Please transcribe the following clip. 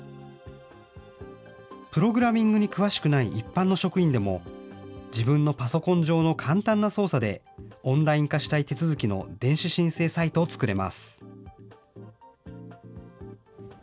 プログラミングに詳しくない一般の職員でも、自分のパソコン上の簡単な操作でオンライン化したい手続きの電子申請サイトを作れます。